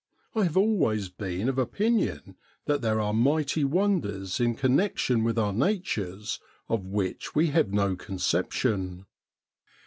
I have always been of opinion that there are mighty wonders in connec tion with our natures of which we have no conception.